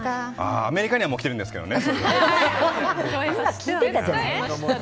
アメリカにはもう来てるんですけどね。